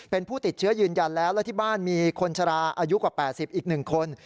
เป็นผู้ติดเชื้อยืนยันแล้วแล้วที่บ้านมีคนชะลาอายุกว่า๘๐อีก๑คน